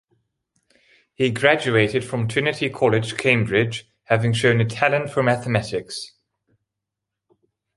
He graduated from Trinity College, Cambridge, having shown a talent for mathematics.